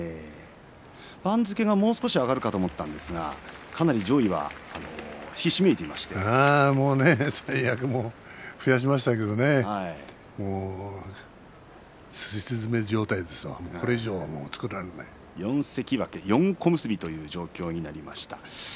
番付がもう少し上がると思ったんですがかなり上位三役を増やしましたけどすし詰め状態ですが４関脇４小結という状況になりました。